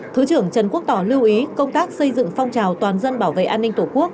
thứ trưởng trần quốc tỏ lưu ý công tác xây dựng phong trào toàn dân bảo vệ an ninh tổ quốc